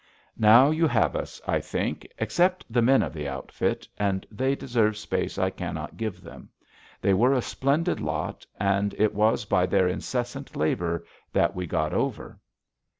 Now you have us, I think, except the men of the outfit, and they deserve space I cannot give them. They were a splendid lot, and it was by their incessant labor that we got over.